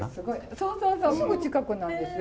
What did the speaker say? そうそうそうすぐ近くなんですよ。